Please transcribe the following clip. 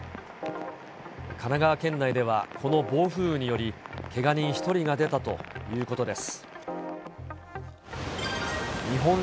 神奈川県内では、この暴風雨により、けが人１人が出たということです。